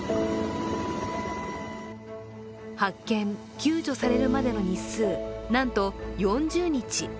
発見、救助されるまでの日数、なんと４０日。